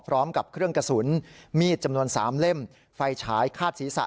พร้อมกับเครื่องกระสุนมีดจำนวน๓เล่มไฟฉายคาดศีรษะ